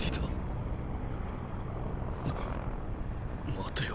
⁉待てよ